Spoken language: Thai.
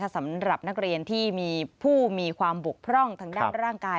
สำหรับนักเรียนที่มีผู้มีความบกพร่องทางด้านร่างกาย